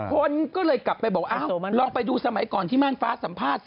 คนก็เลยกลับไปบอกลองไปดูสมัยก่อนที่ม่านฟ้าสัมภาษณ์สิ